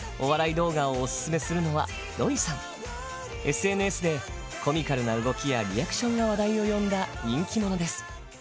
ＳＮＳでコミカルな動きやリアクションが話題を呼んだ人気者です。